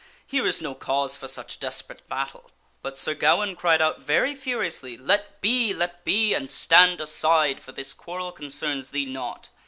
Here is no cause for such des perate battle." But Sir Gawaine cried out very furiously, " Let be ! let be ! and stand aside ! for this quarrel concerns thee not."